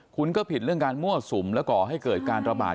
คุณก็ผิดเรื่องการมั่วสุมและก่อให้เกิดการระบาด